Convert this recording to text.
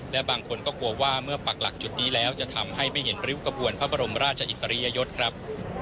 และบางคนก็กลัวว่าเมื่อปักหลักจุดนี้แล้วจะทำให้ไม่เห็นริ้วกระบวนพระบรมราชอิสริยยศครับ